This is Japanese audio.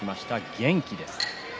元気です。